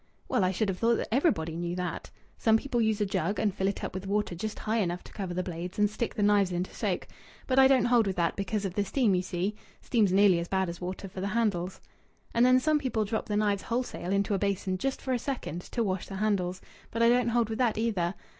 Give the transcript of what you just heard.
"Well, I should have thought that everybody knew that. Some people use a jug, and fill it up with water just high enough to cover the blades, and stick the knives in to soak. But I don't hold with that because of the steam, you see. Steam's nearly as bad as water for the handles. And then some people drop the knives wholesale into a basin just for a second, to wash the handles. But I don't hold with that, either.